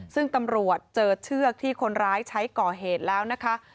ซึ่งตำรวจเจอเชือกที่คนร้ายใช้ก่อเหตุแล้วนะคะ